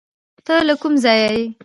ته له کوم ځایه یې؟